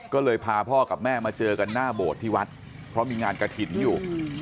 ก็เลยพาพ่อกับแม่มาเจอกันหน้าโบสถ์ที่วัดเพราะมีงานกระถิ่นอยู่